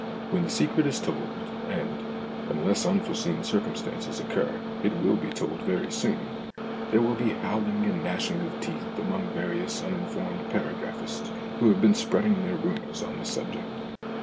When the secret is told, and unless un foreseen circumstances occur it will be told very soon, there will be howling and gnashing of teeth among various uninformed paragraphists who have been spreading their rumours on the subject.